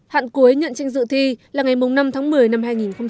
hạn cuối nhận tranh dự thi là ngày năm tháng một mươi năm hai nghìn một mươi chín